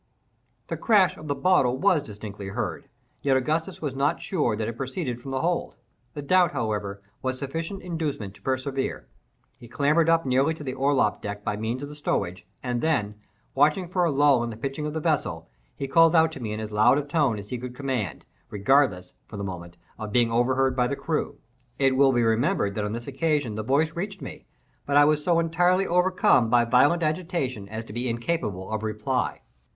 The crash of the bottle was distinctly heard, yet Augustus was not sure that it proceeded from the hold. The doubt, however, was sufficient inducement to persevere. He clambered up nearly to the orlop deck by means of the stowage, and then, watching for a lull in the pitchings of the vessel, he called out to me in as loud a tone as he could command, regardless, for the moment, of being overheard by the crew. It will be remembered that on this occasion the voice reached me, but I was so entirely overcome by violent agitation as to be incapable of reply.